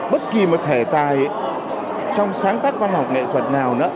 bất kỳ một thể tài trong sáng tác văn học nghệ thuật nào nữa